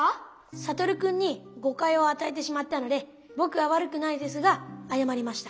悟君にごかいをあたえてしまったのでぼくはわるくないですがあやまりました。